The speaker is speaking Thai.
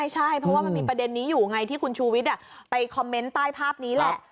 ใช่เพราะว่ามันมีประเด็นนี้อยู่ไงที่คุณชูวิทย์ไปคอมเมนต์ใต้ภาพนี้แหละ